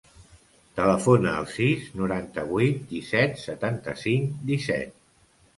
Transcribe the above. Telefona al sis, noranta-vuit, disset, setanta-cinc, disset.